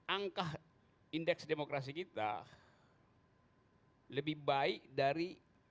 dua ribu tujuh belas angka indeks demokrasi kita lebih baik dari dua ribu enam belas